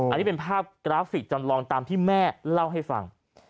อันนี้เป็นภาพกราฟิกจำลองตามที่แม่เล่าให้ฟัง